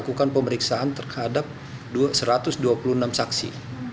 lakukan pemeriksaan terhadap satu ratus dua puluh enam saksi